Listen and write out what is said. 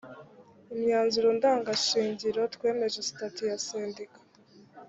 imyanzuro ndangashingiro twemeje sitati ya sendika